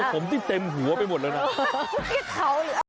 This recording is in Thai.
ผมที่เต็มหัวไปหมดแล้วนะ